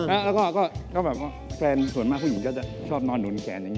แล้วก็แฟนส่วนมากผู้หญิงก็จะชอบนอนหนูนแขน